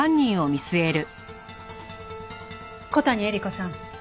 小谷恵理子さん。